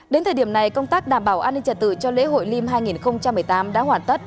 đến thời điểm này công tác đảm bảo an ninh trật tự cho lễ hội liêm hai nghìn một mươi tám đã hoàn tất